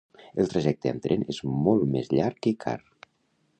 El trajecte amb tren és molt més llarg i car.